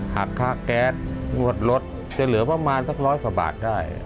หากค่าแก๊สหมดลดจะเหลือประมาณสัก๑๐๐บาทได้